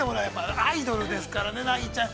アイドルですからね、ナギちゃん。